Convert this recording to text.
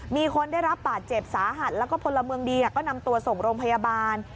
มีคนได้รับบาดเจ็บสาหัสแล้วก็พลเมืองดีก็นำตัวส่งโรงพยาบาล